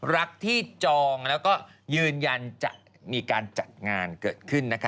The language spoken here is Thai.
รักที่จองแล้วก็ยืนยันจะมีการจัดงานเกิดขึ้นนะคะ